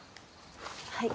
はい。